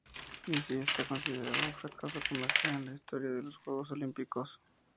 Izzy está considerado un fracaso comercial en la historia de los Juegos Olímpicos.